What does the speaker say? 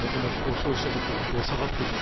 消費者物価が下がっているのは。